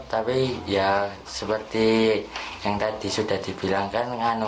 tapi ya seperti yang tadi sudah dibilangkan